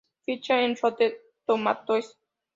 Ficha en Rotten tomatoes